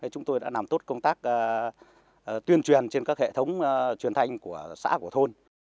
chúng tôi đã làm tốt công tác tuyên truyền trên các hệ thống truyền thanh của xã của thôn